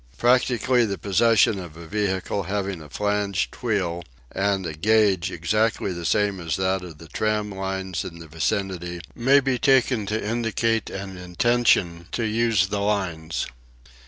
Practically the possession of a vehicle having a flanged wheel and a gauge exactly the same as that of the tram lines in the vicinity may be taken to indicate an intention to use the lines.